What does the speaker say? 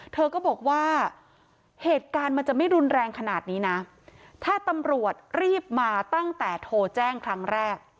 เธอก็บอกว่าเหตุการณ์มันจะไม่รุนแรงขนาดนี้นะถ้าตำรวจรีบมาตั้งแต่โทรแจ้งครั้งแรก